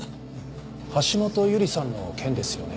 橋本優里さんの件ですよね？